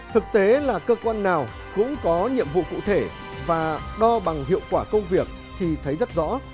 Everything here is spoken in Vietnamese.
thực tế là cơ quan nào cũng có nhiệm vụ cụ thể và đo bằng hiệu quả công việc thì thấy rất rõ